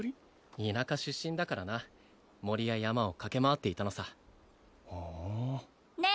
田舎出身だからな森や山を駆け回っていたのさふんねえ